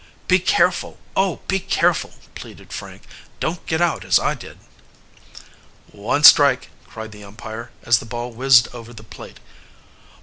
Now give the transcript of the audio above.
"Be careful, oh, be careful!" pleaded Frank. "Don't get out as I did!" "One strike!" cried the umpire as the ball whizzed over the plate.